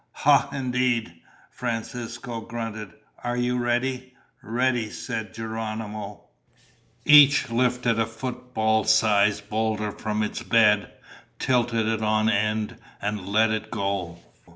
"Ha indeed," Francisco grunted. "Are you ready?" "Ready," said Geronimo. Each lifted a football sized boulder from its bed, tilted it on end, and let it go.